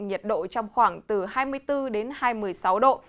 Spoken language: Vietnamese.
nhiệt độ trong khoảng từ hai mươi bốn đến hai mươi sáu độ